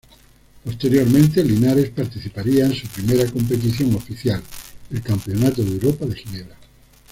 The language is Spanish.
Posteriormente, Linares participaría en su primera competición oficial, el Campeonato de Europa de Ginebra.